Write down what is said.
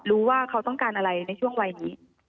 รู้ว่าเขาต้องการอะไรในช่วงวัยนี้